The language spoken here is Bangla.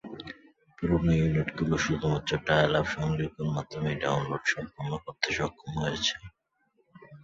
পুরোনো ইউনিটগুলো শুধুমাত্র ডায়াল-আপ সংযোগের মাধ্যমে এই ডাউনলোড সম্পন্ন করতে সক্ষম হয়েছে।